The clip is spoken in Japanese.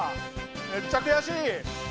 めっちゃ悔しい！